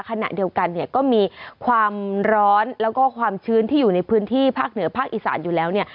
ขณะเดียวกันเนี่ยก็มีความร้อนแล้วก็ความชื้นที่อยู่ในพื้นที่ภาคเหนือภาคอีสานอยู่แล้วเนี่ย